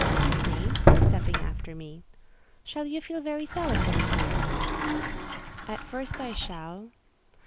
"Lucy,"—stepping after me—"shall you feel very solitary here?" "At first I shall."